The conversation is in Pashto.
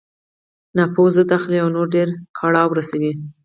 ناپوه ضد اخلي او نور ډېر کړاو رسوي.